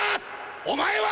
お前は！